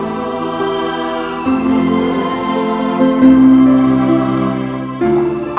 ampuni paman mas